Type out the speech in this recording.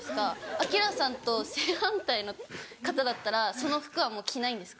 アキラさんと正反対の方だったらその服はもう着ないんですか？